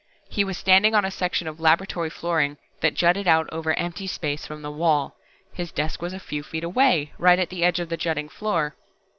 He was standing on a section of laboratory flooring that jutted out over empty space from the wall. His desk was a few feet away, right at the edge of the jutting floor.